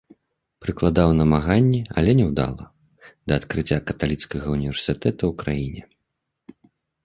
Прыкладаў намаганні, але няўдала, да адкрыцця каталіцкага ўніверсітэта ў краіне.